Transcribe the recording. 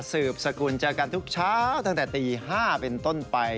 สืบสกุลเจอกันทุกเช้าตั้งแต่ตี๕เป็นต้นไป